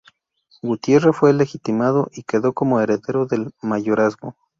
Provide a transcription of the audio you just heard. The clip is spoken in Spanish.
Gutierre fue legitimado y quedó como heredero del mayorazgo.